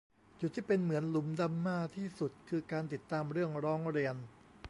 จุดที่เป็นเหมือนหลุมดำมาที่สุดคือ การติดตามเรื่องร้องเรียน